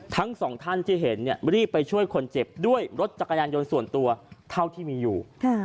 ทั้งสองท่านที่เห็นรีบไปช่วยคนเจ็บด้วยรถจักรยานยนต์ส่วนตัวเท่าที่มีอยู่